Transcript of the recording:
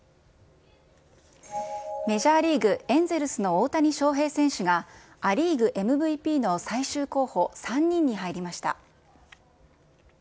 メジャーリーグ・エンゼルスの大谷翔平選手が、ア・リーグＭＶＰの最終候補３人に入りました。